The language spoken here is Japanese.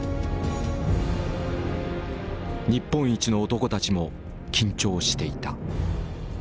日本一の男たちも緊張していた。